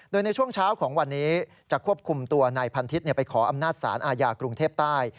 โดยในช่วงเช้าของวันนี้จะควบคุมตัวนายพันทิศไปขออำนาจศาลอาญากรุงเทพใต้